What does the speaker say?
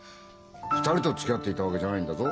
２人とつきあっていたわけじゃないんだぞ。